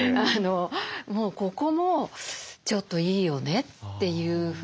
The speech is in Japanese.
もうここもちょっといいよねというふうに。